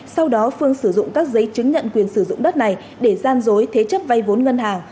sau đó phương sử dụng các giấy chứng nhận quyền sử dụng đất này để gian dối thế chấp vay vốn ngân hàng